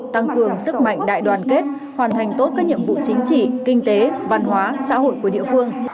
tăng cường sức mạnh đại đoàn kết hoàn thành tốt các nhiệm vụ chính trị kinh tế văn hóa xã hội của địa phương